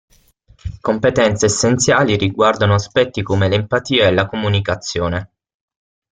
Competenze essenziali riguardano aspetti come l'empatia e la comunicazione.